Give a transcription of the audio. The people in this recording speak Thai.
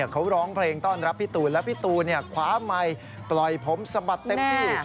เขาร้องเพลงต้อนรับพี่ตูนแล้วพี่ตูนคว้าไมค์ปล่อยผมสะบัดเต็มที่